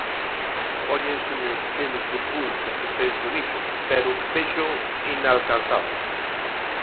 Póñenseme os pelos de punta se penso niso, pero véxoo inalcanzable.